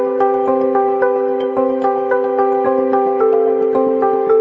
จริงจริงจริงพี่แจ๊คเฮ้ยสวยนะเนี่ยเป็นเล่นไป